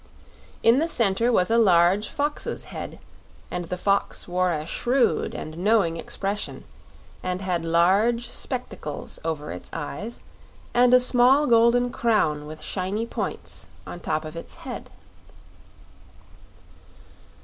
In the center was a large fox's head, and the fox wore a shrewd and knowing expression and had large spectacles over its eyes and a small golden crown with shiny points on top of its head.